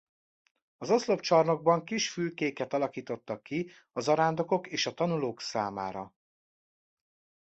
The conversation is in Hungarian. Az oszlopcsarnokban kis fülkéket alakítottak ki a zarándokok és a tanulók számára.